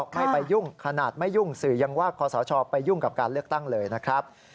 ไม่ไปยุ่งขนาดไม่ยุ่งสื่อยังว่าคอสชไปยุ่งกับการเลือกตั้งเลยนะครับ